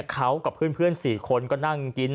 เขากับเพื่อน๔คนก็นั่งกิน